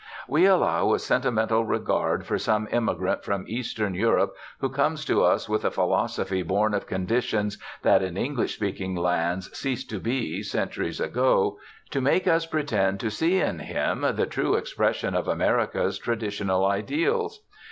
We allow a sentimental regard for some immigrant from Eastern Europe, who comes to us with a philosophy born of conditions that in English speaking lands ceased to be centuries ago, to make us pretend to see in him the true expression of America's traditional ideals.